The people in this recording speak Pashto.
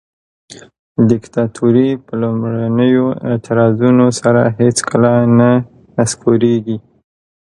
دیکتاتوري په لومړنیو اعتراضونو سره هیڅکله نه نسکوریږي.